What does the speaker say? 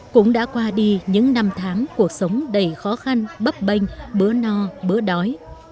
cũng đã qua đi những năm tháng cuộc sống đầy khó khăn bấp bênh bữa no bữa đói